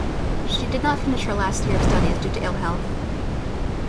She did not finish her last year of studies due to ill health.